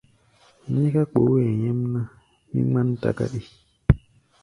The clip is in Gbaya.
Níká kpooʼɛ nyɛ́mná, mí ŋmán takáɗi.